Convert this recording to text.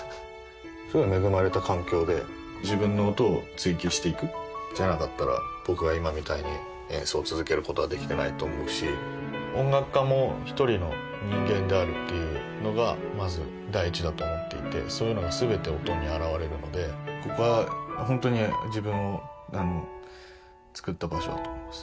すごい恵まれた環境で自分の音を追求していくじゃなかったら僕は今みたいに演奏を続けることはできてないと思うし音楽家も一人の人間であるっていうのがまず第一だと思っていてそういうのがすべて音に現れるのでここはホントに自分を作った場所だと思います